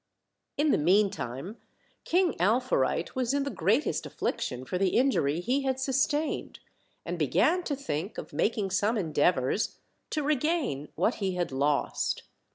In the meantime, King Alfourite was in the greatest affliction for the injury he had sustained, and began to think of making some endeavors to regain what he had lost.